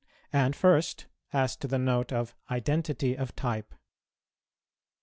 And first as to the Note of identity of type.